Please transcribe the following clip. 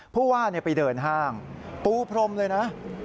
ผู้ว่าไปเดินห้างปูพรมเลยนะ